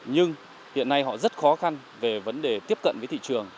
nhưng hiện nay họ rất khó khăn về vấn đề tiếp cận với thị trường